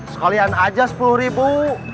sekalian aja sepuluh ribu